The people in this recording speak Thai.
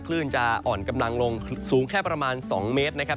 คลื่นจะอ่อนกำลังลงสูงแค่ประมาณ๒เมตรนะครับ